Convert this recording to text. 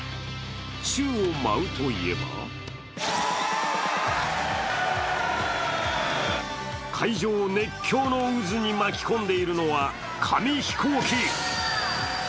宙を舞うと言えば会場を熱狂の渦に巻き込んでいるのは紙飛行機。